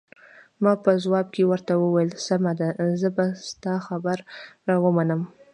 ما په ځواب کې ورته وویل: سمه ده، زه به ستا خبره ومنم.